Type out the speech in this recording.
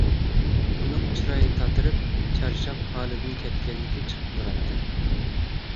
ئۇنىڭ چىرايى تاتىرىپ، چارچاپ ھالىدىن كەتكەنلىكى چىقىپ تۇراتتى.